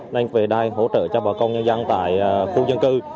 nên về đây hỗ trợ cho bà con nhân dân tại khu dân cư